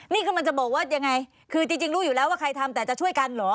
นี่คือมันจะบอกว่ายังไงคือจริงรู้อยู่แล้วว่าใครทำแต่จะช่วยกันเหรอ